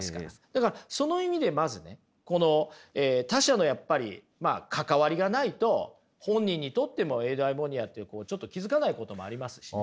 だからその意味でまずねこの他者のやっぱり関わりがないと本人にとってもエウダイモニアってちょっと気付かないこともありますし。